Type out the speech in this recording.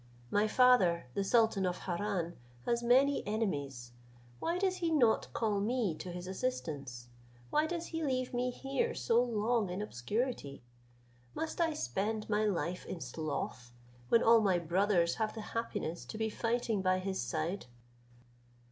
My father, the sultan of Harran, has many enemies. Why does he not call me to his assistance? Why does he leave me here so long in obscurity? Must I spend my life in sloth, when all my brothers have the happiness to be fighting by his side?"